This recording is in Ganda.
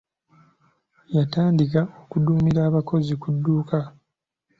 Yatandika okuduumira abakozi ku dduuka.